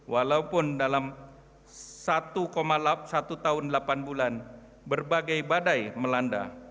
walaupun dalam satu satu tahun delapan bulan berbagai badai melanda